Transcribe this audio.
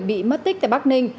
bị mất tích tại bắc ninh